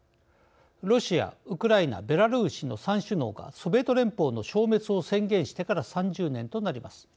ロシア、ウクライナベラルーシの３首脳がソビエト連邦の消滅を宣言してから３０年となります。